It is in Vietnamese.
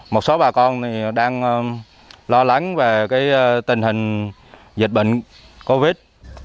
một số bà con đang lo lắng về tình hình dịch bệnh covid